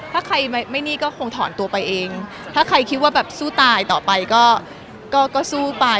ถ้าใครไม่นี่ก็คงถอนตัวไปเองถ้าใครคิดว่าแบบสู้ตายต่อไปก็ก็สู้ไป